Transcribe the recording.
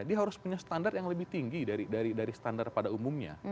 dia harus punya standar yang lebih tinggi dari standar pada umumnya